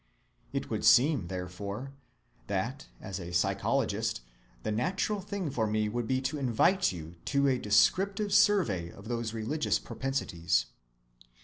It would seem, therefore, that, as a psychologist, the natural thing for me would be to invite you to a descriptive survey of those religious propensities.